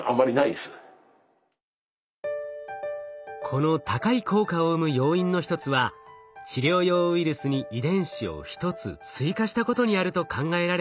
この高い効果を生む要因の一つは治療用ウイルスに遺伝子を１つ追加したことにあると考えられています。